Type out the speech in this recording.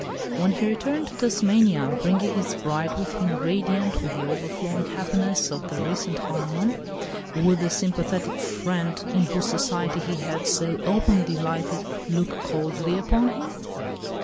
When he returned to Tasmania, bringing his bride with him radiant with the overflowing happiness of the recent honeymoon, would the sympathetic "friend" in whose society he had so openly delighted look coldly upon him?